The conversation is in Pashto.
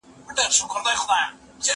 زه بايد ليکنه وکړم،